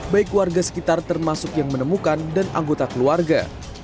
baik warga sekitar termasuk yang menemukan dan anggota keluarga